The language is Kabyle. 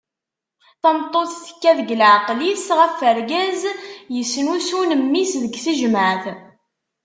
Tameṭṭut tekka deg leɛqel-is ɣef urgaz yesnusun mmi-s deg tejmeɛt!